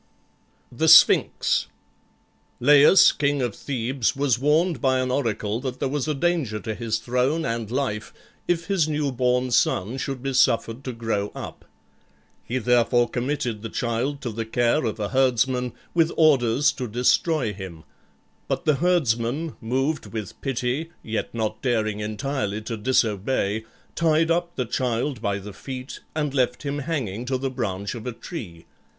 THE SPHINX Laius, king of Thebes, was warned by an oracle that there was danger to his throne and life if his new born son should be suffered to grow up. He therefore committed the child to the care of a herdsman with orders to destroy him; but the herdsman, moved with pity, yet not daring entirely to disobey, tied up the child by the feet and left him hanging to the branch of a tree.